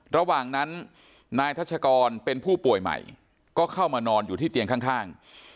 ระหว่างนั้นนายทัชกรเป็นผู้ป่วยใหม่ก็เข้ามานอนอยู่ที่เตียงข้าง